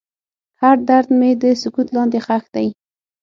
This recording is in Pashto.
هر درد مې د سکوت لاندې ښخ دی.